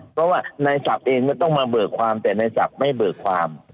เพราะว่านายสับเองก็ต้องมาเบิกความแต่นายสับไม่เบิกความ